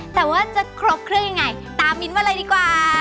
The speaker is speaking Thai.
แต่ว่าจะครบเครื่องยังไงตามมิ้นมาเลยดีกว่า